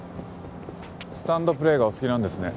スタンドプレーがお好きなんですね。